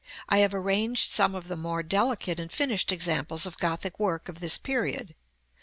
I have arranged some of the more delicate and finished examples of Gothic work of this period.